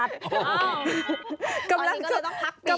อันนี้ก็เลยต้องพักปีกก่อน